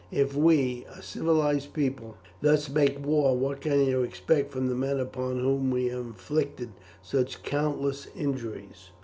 If we, a civilized people, thus make war, what can you expect from the men upon whom we have inflicted such countless injuries?"